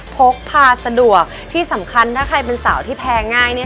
พกพาสะดวกที่สำคัญถ้าใครเป็นสาวที่แพ้ง่ายเนี่ย